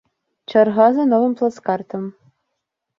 Чарга за новым плацкартам.